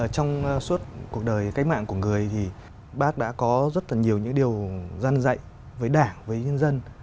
trong suốt cuộc đời cách mạng của người thì bác đã có rất là nhiều những điều dân dạy với đảng với nhân dân